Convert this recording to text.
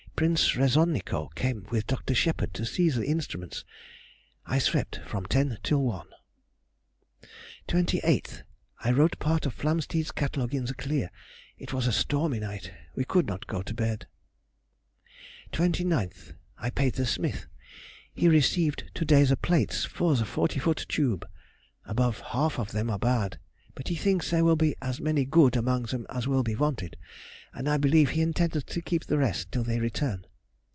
Prince Resonico came with Dr. Shepherd to see the instruments. I swept from ten till one. 28th.—I wrote part of Flamsteed's Catalogue in the clear. It was a stormy night, we could not go to bed. 29th.—I paid the smith. He received to day the plates for the forty foot tube. Above half of them are bad, but he thinks there will be as many good among them as will be wanted, and I believe he intends to keep the rest till they return.